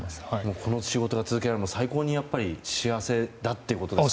この仕事が続けられるのが最高に幸せだということですね。